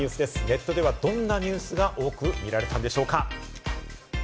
ネットではどんなニュースが多く見られたのでしょうか？